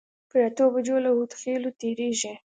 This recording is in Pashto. پر اتو بجو له هودخېلو تېرېږي.